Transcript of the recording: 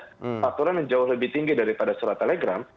peraturan yang jauh lebih tinggi daripada surat telegram